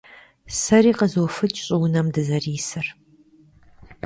Сэри къызофыкӀ щӀыунэм дызэрисыр.